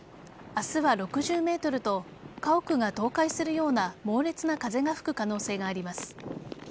明日は６０メートルと家屋が倒壊するような猛烈な風が吹く可能性があります。